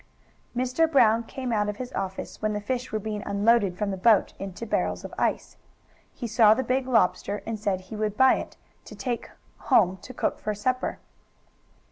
Mr. Brown came out of his office when the fish were being unloaded from the boat, into barrels of ice. He saw the big lobster and said he would buy it, to take home to cook for supper.